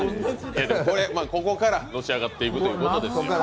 ここからのし上がっていくというわけですよ。